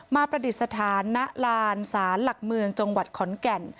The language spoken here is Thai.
ประดิษฐานณลานศาลหลักเมืองจังหวัดขอนแก่น